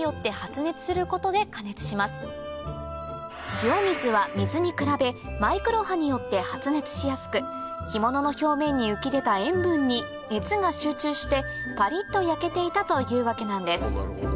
塩水は水に比べマイクロ波によって発熱しやすく干物の表面に浮き出た塩分に熱が集中してパリっと焼けていたというわけなんです